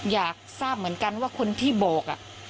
อยากทราบเหมือนกันว่าคนที่บอก